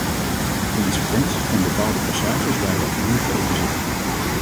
De consequenties van bepaalde passages waren ook moeilijk te overzien.